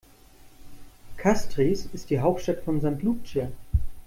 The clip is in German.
Castries ist die Hauptstadt von St. Lucia.